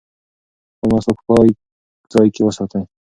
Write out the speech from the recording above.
خپل مسواک په پاک ځای کې وساتئ.